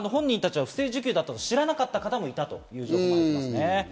本人たちは不正受給だと知らなかった方もいるわけですね。